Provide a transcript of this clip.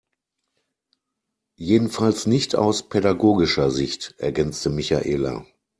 Jedenfalls nicht aus pädagogischer Sicht, ergänzte Michaela.